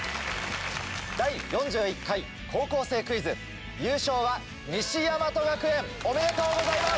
『第４１回高校生クイズ』優勝は西大和学園おめでとうございます！